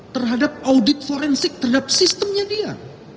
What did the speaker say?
terhadap audit forensik terhadap sistemnya dia